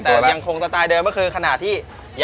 แต่ยังคงสไตล์เดิมก็คือขณะที่